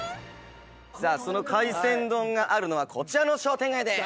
さあその海鮮丼があるのはこちらの商店街です。